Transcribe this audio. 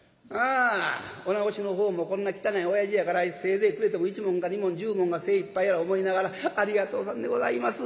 おなごしのほうもこんな汚い親父やからせいぜいくれても一文か二文十文が精いっぱいやろ思いながら「ありがとうさんでございます。